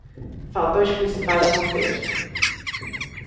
Faltou explicitar o contexto